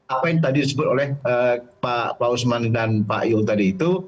apa yang tadi disebut oleh pak usman dan pak io tadi itu